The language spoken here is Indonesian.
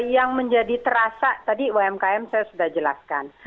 yang menjadi terasa tadi umkm saya sudah jelaskan